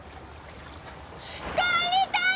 帰りたい！